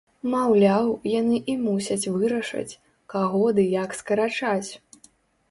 Маўляў, яны і мусяць вырашаць, каго ды як скарачаць.